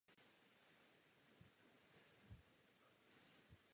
V současné době moderuje pořad Větrník na Radiu Beat.